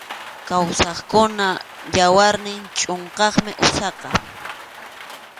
Kawsaqkunap yawarnin chʼunqaqmi usaqa.